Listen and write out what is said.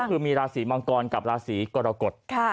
ก็คือมีราศีมังกรกับราศีกรกฎ